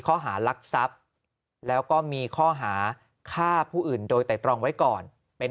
ข้อหารักทรัพย์แล้วก็มีข้อหาฆ่าผู้อื่นโดยไตรตรองไว้ก่อนเป็น